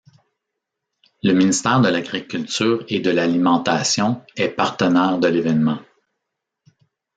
Le Ministère de l'Agriculture et de l'Alimentation est partenaire de l'événement.